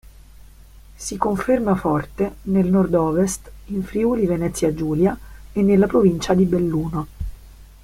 Si conferma forte nel Nord-Ovest, in Friuli-Venezia Giulia e nella Provincia di Belluno.